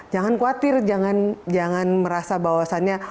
jangan khawatir jangan merasa bahwasannya